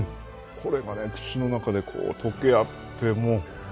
これが口の中でこう溶けあってもう。